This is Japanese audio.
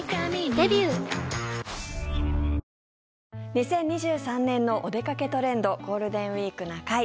２０２３年のお出かけトレンド「ゴールデンウィークな会」。